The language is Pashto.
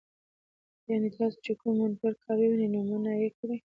يعني تاسو چې کوم منکر کار ووينئ، نو منعه يې کړئ.